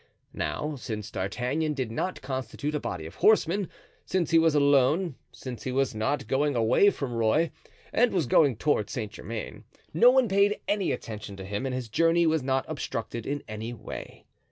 Now, since D'Artagnan did not constitute a body of horsemen, since he was alone, since he was not going away from Rueil and was going to Saint Germain, no one paid any attention to him and his journey was not obstructed in any way.